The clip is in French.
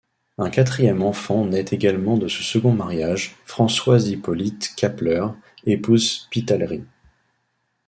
Un quatrième enfant naît également de ce second mariage, Françoise-Hypolite Kapeller, épouse Spitalery.